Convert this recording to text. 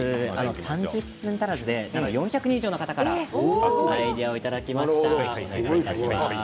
３０分足らずで４００人近くの方からアイデアをいただきました。